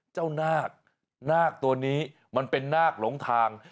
นาคนนาคตัวนี้มันเป็นนาคหลงทาง